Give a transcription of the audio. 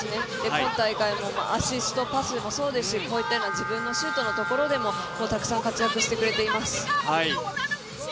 今大会もアシスト、パスもそうですしこういったような自分のシュートのところでも、たくさん活躍してくれています。